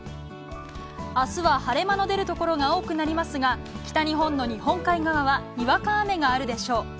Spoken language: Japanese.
明日は晴れ間の出るところが多くなりますが北日本の日本海側はにわか雨があるでしょう。